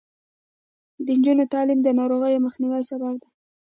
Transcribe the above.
د نجونو تعلیم د ناروغیو مخنیوي سبب دی.